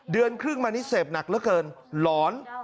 เดือนครึ่งมานี่เสพหนักเหลือเกินหลอน